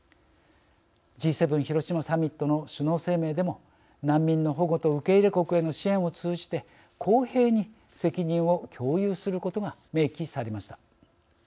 Ｇ７広島サミットの首脳声明でも難民の保護と受け入れ国への支援を通じて公平に責任を共有することが明記されました。